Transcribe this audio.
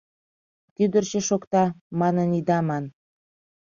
Кӱдырчӧ шокта, манын ида ман